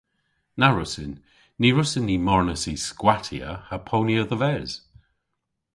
Na wrussyn. Ny wrussyn ni marnas y skwattya ha ponya dhe-ves.